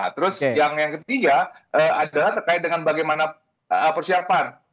terus yang ketiga adalah terkait dengan bagaimana persiapan